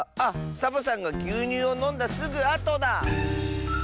サボさんがぎゅうにゅうをのんだすぐあとだ。